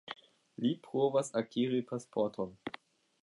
Li provas akiri pasporton.